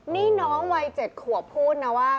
นี่น้องวัย๗ขวบพูดนะว่า